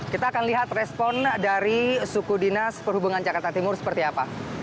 kita akan lihat respon dari suku dinas perhubungan jakarta timur seperti apa